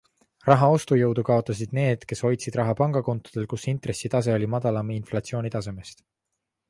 Raha ostujõudu kaotasid need, kes hoidsid raha pangakontodel, kus intressitase oli madalam inflatsioonitasemest.